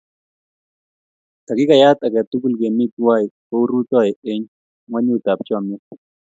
Takikayat ake tukul kemi twai koi rutoi eng' ng'onyut ap chomyet.